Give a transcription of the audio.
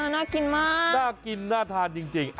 น่ากินมากน่ากินน่าทานจริง